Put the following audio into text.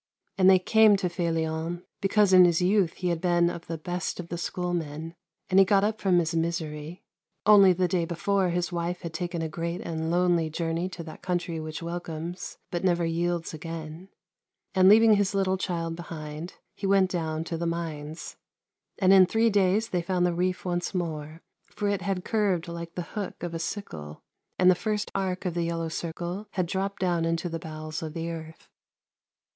And they came to Felion, because in his youth he had been of the best of the schoolmen ; and he got up from his misery — only the day before his wife had taken a great and lonely journey to that Country which welcomes, but never yields again — and leaving his little child behind, he went down to the mines. And in three days they found the reef once more ; for it had curved like the hook of a sickle, and the first arc of the yellow circle had dropped down into the bowels of the earth.